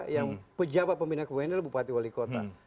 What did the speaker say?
yang pejabat pembina kebun adalah bupati wali kota